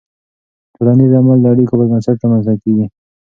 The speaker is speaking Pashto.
ټولنیز عمل د اړیکو پر بنسټ رامنځته کېږي.